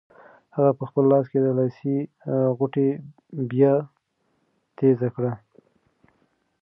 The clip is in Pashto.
هغه په خپل لاس کې د لسي غوټه بیا تېزه کړه.